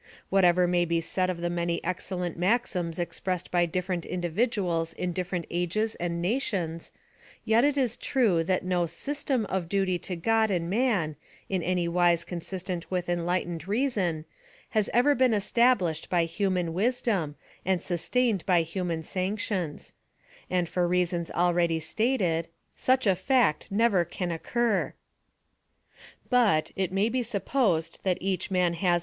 Whatever may be said of the many excellent maxims expressed by different in dividuals in different ages and nations, yet it is true liiat no system of duty to God and man, in any wise consistent with enlightened reason, has ever been established by human wisdom, and sustained by human sanctions ; and for reasons already sta ted,* such a fact never can occur. But, it may be supposed that each man has.